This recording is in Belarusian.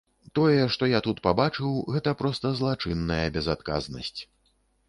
Тое, што я тут пабачыў, гэта проста злачынная безадказнасць.